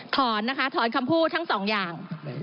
นะคะถอนคำพูดทั้งสองอย่าง